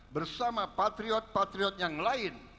bersama patriot patriot yang lain